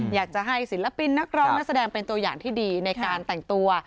อยากจะให้ศิลปินนักร้องนักแสดงเป็นตัวอย่างที่ดีในการแต่งตัว